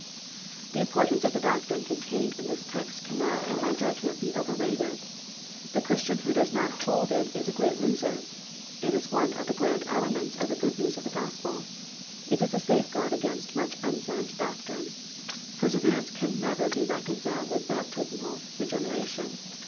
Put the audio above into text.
The importance of the doctrine contained in this text cannot, in ray Judgment, be overrated. The Christian who does not hold it is a great loser. It is one of the grand elements of the good news of the Gospel. It is a safeguard against much unsound doctrine. Perseverance can never be reconciled with baptismal regeneration.